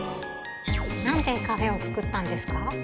なんでカフェを作ったんですか？